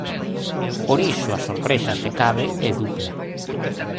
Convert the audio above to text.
Por iso, a sorpresa, se cabe, é dupla.